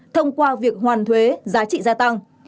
thông qua việc hoàn thuế giá trị gia tăng